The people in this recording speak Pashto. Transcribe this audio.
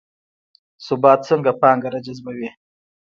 ثبات څنګه پانګه راجذبوي؟